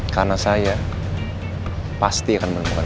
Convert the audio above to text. karena saya pasti akan menemukan kamu